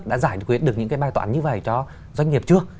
đã giải quyết được những cái bài toán như vậy cho doanh nghiệp chưa